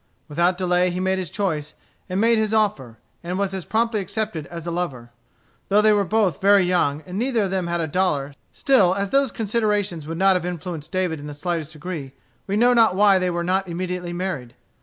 Without delay he made his choice, and made his offer, and was as promptly accepted as a lover. Though they were both very young, and neither of them had a dollar, still as those considerations would not have influenced David in the slightest degree, we know not why they where not immediately married.